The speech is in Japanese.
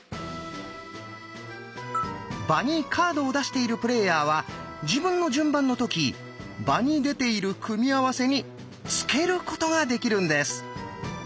場にカードを出しているプレーヤーは自分の順番の時場に出ている組み合わせに付けることができるんです。